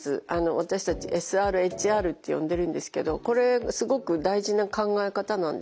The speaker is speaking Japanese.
私たちＳＲＨＲって呼んでるんですけどこれすごく大事な考え方なんですね。